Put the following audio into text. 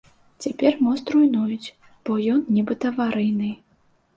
Цяпер мост руйнуюць, бо ён нібыта аварыйны.